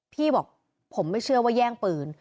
พี่บอกผมไม่เชื่อว่าแย่งปืน